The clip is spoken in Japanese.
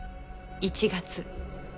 １月。